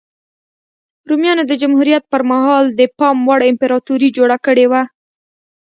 رومیانو د جمهوریت پرمهال د پام وړ امپراتوري جوړه کړې وه